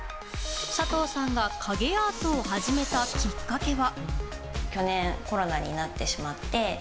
佐藤さんが影アートを始めたきっかけは。